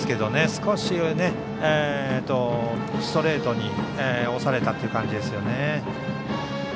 少し、ストレートに押された感じですね。